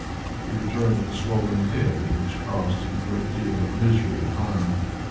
He returned with a swollen head, which caused him a great deal of misery at home.